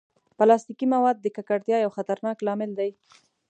پلاستيکي مواد د ککړتیا یو خطرناک لامل دي.